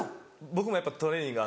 僕もやっぱトレーニング。